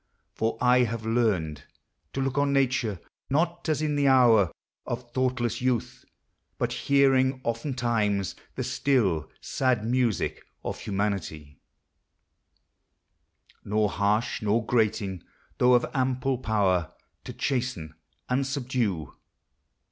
For I have learned To look on nature, not as in the hour Of thoughtless youth; but hearing oftentimes The still, sad music of humanity, Nor harsh nor grating, though of ample power To chasten and subdue.